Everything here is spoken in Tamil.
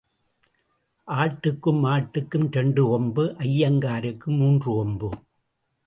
ஆட்டுக்கும் மாட்டுக்கும் இரண்டு கொம்பு ஐயங்காருக்கு மூன்று கொம்பு.